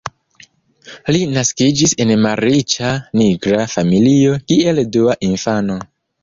Li naskiĝis en malriĉa nigra familio, kiel dua infano.